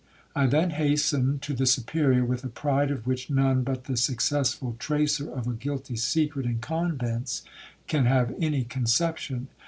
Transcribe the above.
I then hastened to the Superior, with a pride of which none but the successful tracer of a guilty secret in convents, can have any conception.